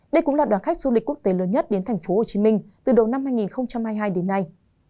đây cũng là đoàn khách du lịch quốc tế lớn nhất đến tp hcm từ đầu năm hai nghìn hai mươi hai đến nay